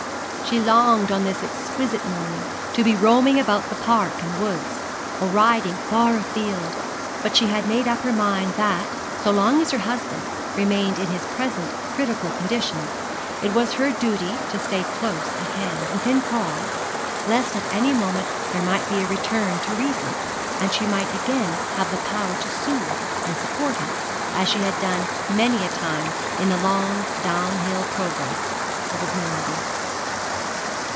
She longed on this exquisite morning to be roaming about the park and woods, or riding far afield; but she had made up her mind that, so long as her husband remained in his present critical condition, it was her duty to stay close at hand, within call, lest at any moment there might be a return to reason, and she might again have power to soothe and support him, as she had done many a time in the long down hill progress of his malady.